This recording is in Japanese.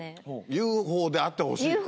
ＵＦＯであってほしい。